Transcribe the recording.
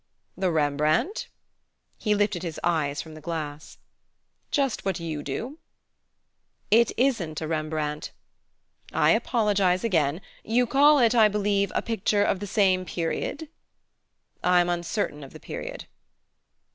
"The Rembrandt?" He lifted his eyes from the glass. "Just what you do." "It isn't a Rembrandt." "I apologize again. You call it, I believe, a picture of the same period?" "I'm uncertain of the period."